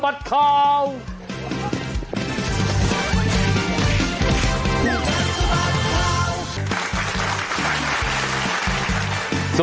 สวัสดีครับอย่าลืมส่งข้อความไลน์มาคุยกับเราครับ